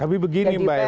tapi begini mbak eva